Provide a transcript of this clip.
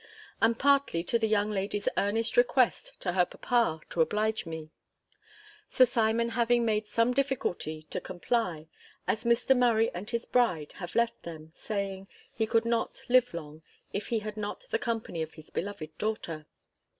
and partly to the young lady's earnest request to her papa, to oblige me; Sir Simon having made some difficulty to comply, as Mr. Murray and his bride have left them, saying, he could not live long, if he had not the company of his beloved daughter.